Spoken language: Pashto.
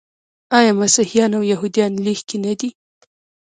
آیا مسیحیان او یهودان لږکي نه دي؟